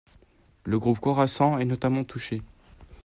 Le groupe Khorassan est notamment touché.